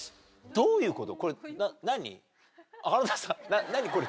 どういうこと？